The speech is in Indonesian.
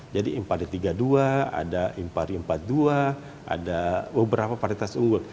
jadi impari tiga puluh dua ada impari empat puluh dua ada beberapa varietas unggul